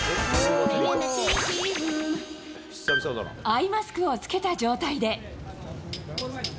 アイマスクを着けた状態で。